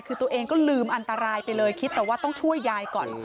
คือตัวเองก็ลืมอันตรายไปเลยคิดแต่ว่าต้องช่วยยายก่อน